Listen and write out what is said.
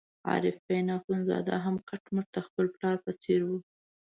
عارفین اخندزاده هم کټ مټ د خپل پلار په څېر وو.